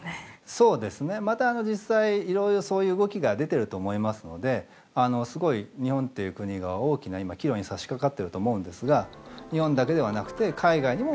また実際いろいろそういう動きが出てると思いますのですごい日本という国が大きな今岐路にさしかかってると思うんですが日本だけではなくて海外にも目を向ける。